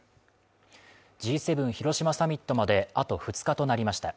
Ｇ７広島サミットまであと２日となりました。